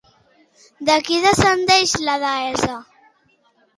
De qui descendeix la deessa?